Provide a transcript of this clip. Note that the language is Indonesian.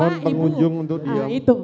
mohon pengunjung untuk diam